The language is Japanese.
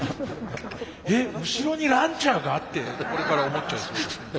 「え後ろにランチャーが！」ってこれから思っちゃいそう。